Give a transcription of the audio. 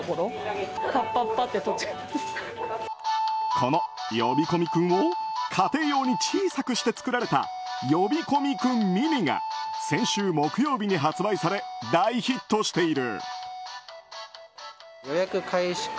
この呼び込み君を家庭用に小さくして作られた呼び込み君ミニが先週木曜日に発売され大ヒットしている。